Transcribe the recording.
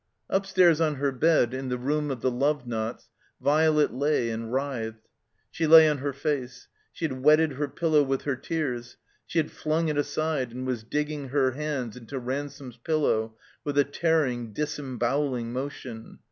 Upstairs on her bed, in the room of the love knots, Violet lay and writhed. She lay on her face. She had wetted her pillow with her tears; she had flung it aside and was digging her hands into Ran some's pillow with a tearing, disemboweling motion.